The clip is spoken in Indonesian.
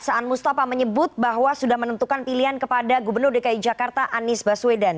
saan mustafa menyebut bahwa sudah menentukan pilihan kepada gubernur dki jakarta anies baswedan